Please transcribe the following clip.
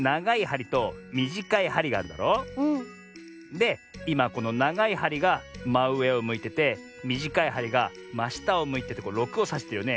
でいまこのながいはりがまうえをむいててみじかいはりがましたをむいてて６をさしてるよね。